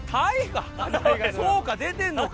そうか出てるのか。